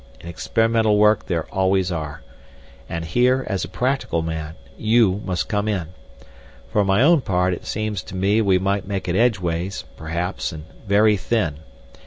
In experimental work there always are. And here, as a practical man, you must come in. For my own part it seems to me we might make it edgeways, perhaps, and very thin.